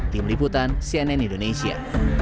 tim liputan cnn indonesia